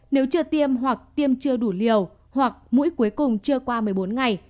nếu chưa tiêm hoặc tiêm chưa đủ liều hoặc mũi cuối cùng chưa qua một mươi bốn ngày